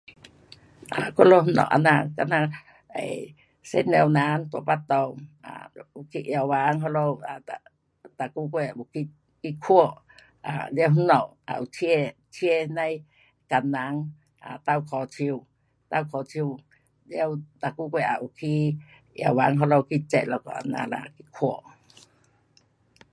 um 我们家内这样这样 um 妇女人大肚子 um 得要去药房那里，um 每个月有去看。um 了那家也有请，请那样的工人 um 倒脚手，倒脚手了每个月也有去药房那里去 check 这样啦，去看。